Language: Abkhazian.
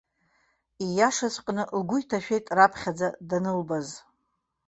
Ииашаҵәҟьаны лгәы иҭашәеит раԥхьаӡа данылбаз.